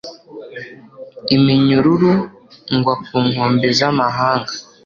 iminyururu, ngwa ku nkombe z'amahanga